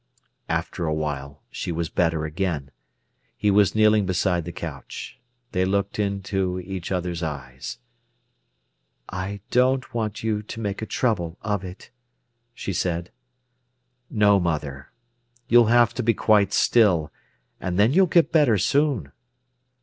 After a while she was better again. He was kneeling beside the couch. They looked into each other's eyes. "I don't want you to make a trouble of it," she said. "No, mother. You'll have to be quite still, and then you'll get better soon."